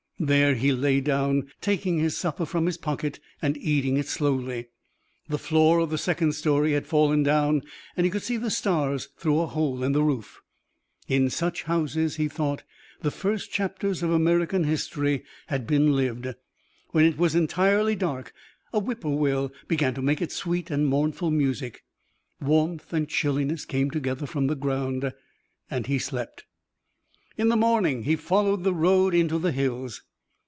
There he lay down, taking his supper from his pocket and eating it slowly. The floor of the second story had fallen down and he could see the stars through a hole in the roof. In such houses, he thought, the first chapters of American history had been lived. When it was entirely dark, a whippoorwill began to make its sweet and mournful music. Warmth and chilliness came together from the ground. He slept. In the morning he followed the road into the hills.